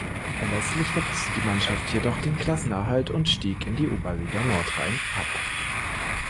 Letztlich verpasste die Mannschaft jedoch den Klassenerhalt und stieg in die Oberliga Nordrhein ab.